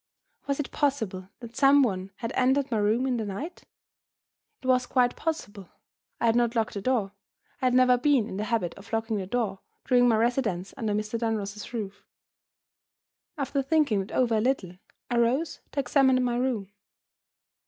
Was it possible that some one had entered my room in the night? It was quite possible. I had not locked the door I had never been in the habit of locking the door during my residence under Mr. Dunross's roof. After thinking it over a little, I rose to examine my room.